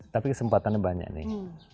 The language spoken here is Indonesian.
tapi kesempatannya banyak nih